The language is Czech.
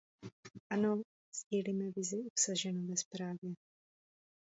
Ano, sdílíme vizi obsaženou ve zprávě.